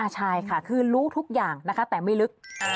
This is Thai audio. ใช่ค่ะคือรู้ทุกอย่างนะคะแต่ไม่ลึก